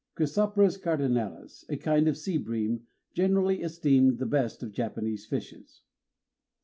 Chrysopbris cardinalis, a kind of sea bream, generally esteemed the best of Japanese fishes.